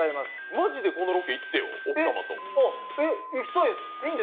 マジでこのロケ行ってよ、奥様と。